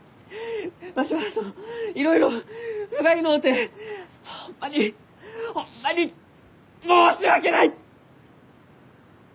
わしはそのいろいろふがいのうてホンマにホンマに申し訳ない！